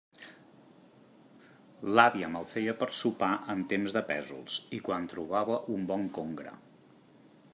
L'àvia me'l feia per sopar en temps de pèsols i quan trobava un bon congre.